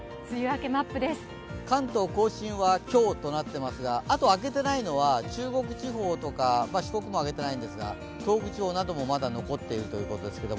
関東甲信は今日となっていますがあと明けていないのは中国地方とか四国も明けていないんですが、東北地方などもまだ残っているということですね。